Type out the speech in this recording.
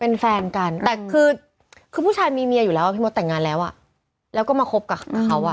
เป็นแฟนกันแต่คือคือผู้ชายมีเมียอยู่แล้วพี่มดแต่งงานแล้วอ่ะแล้วก็มาคบกับเขาอ่ะ